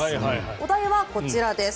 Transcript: お題はこちらです。